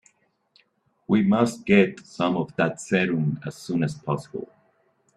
We must get some of that serum as soon as possible.